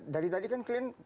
dari tadi kan kalian